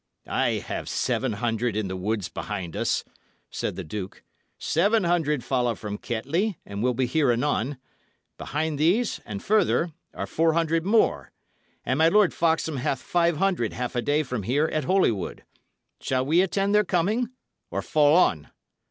"I have seven hundred in the woods behind us," said the duke; "seven hundred follow from Kettley, and will be here anon; behind these, and further, are four hundred more; and my Lord Foxham hath five hundred half a day from here, at Holywood. Shall we attend their coming, or fall on?"